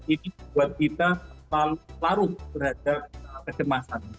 ini buat kita larut terhadap kecemasan